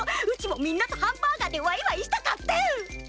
うちもみんなとハンバーガーでワイワイしたかってん！